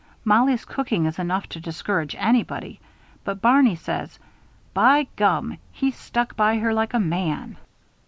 Mollie's cooking is enough to discourage anybody; but Barney says: 'By gum! He stuck by her like a man.'"